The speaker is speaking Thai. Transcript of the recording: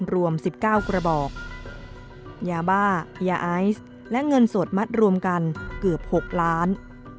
รวม๑๙กระบอกยาบ้ายาไอซ์และเงินสดมัดรวมกันเกือบ๖ล้าน